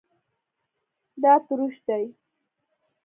دا تروش دی